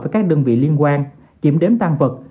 với các đơn vị liên quan kiểm đếm tăng vật